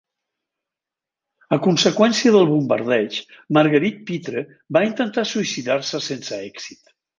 A conseqüència del bombardeig, Marguerite Pitre va intentar suïcidar-se sense èxit.